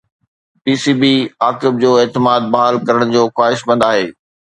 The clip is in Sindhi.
پي سي بي عاقب جو اعتماد بحال ڪرڻ جو خواهشمند آهي